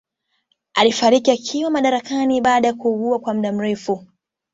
Alifariki akiwa madarakani baada ya kuugua kwa mda mrefu